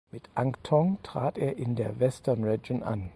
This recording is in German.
Mit Angthong trat er in der Western Region an.